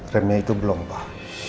remnya itu belum pak